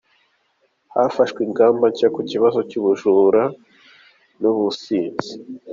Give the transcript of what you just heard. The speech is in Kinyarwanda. Hafashwe ingamba nshya ku kibazo cy’ubujura n’ubusinzi